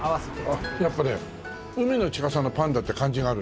やっぱ海の近そうなパンだって感じがあるね。